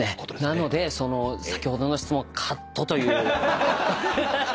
なので先ほどの質問カットという。